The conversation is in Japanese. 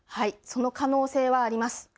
その可能性はあります。